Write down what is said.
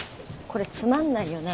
これつまんないよね？